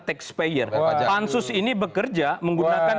taxpayer pansus ini bekerja menggunakan